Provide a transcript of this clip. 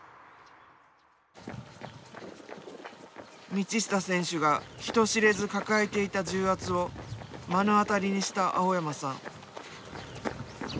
道下選手が人知れず抱えていた重圧を目の当たりにした青山さん。